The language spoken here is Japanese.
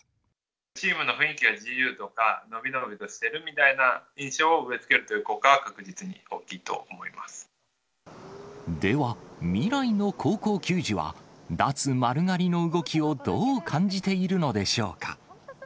チームの雰囲気が自由とか、伸び伸びとしているみたいな印象を植えつけるという効果は、では未来の高校球児は、脱丸刈りの動きをどう感じているのでしょうか。